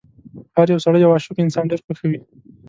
هر يو سړی یو عاشق انسان ډېر خوښوي.